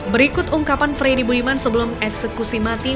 berikut ungkapan freddy budiman sebelum eksekusi mati